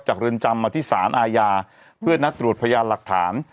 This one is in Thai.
เรือนจำมาที่สารอาญาเพื่อนัดตรวจพยานหลักฐาน